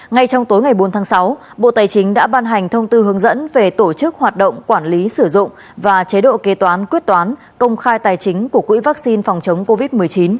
ngay trong tối ngày bốn tháng sáu bộ tài chính đã ban hành thông tư hướng dẫn về tổ chức hoạt động quản lý sử dụng và chế độ kế toán quyết toán công khai tài chính của quỹ vaccine phòng chống covid một mươi chín